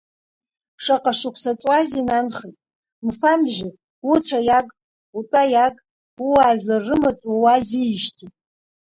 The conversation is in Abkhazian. Заҟа шықәса ҵуазеи, нанхеит, мфа-мжәы, уцәа иаг, утәа иаг ууаажәлар рымаҵ ууазижьҭеи!